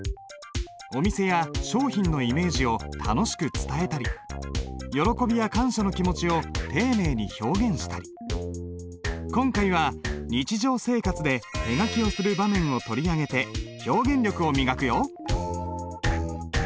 お店や商品のイメージを楽しく伝えたり喜びや感謝の気持ちを丁寧に表現したり今回は日常生活で手書きをする場面を取り上げて表現力を磨くよ。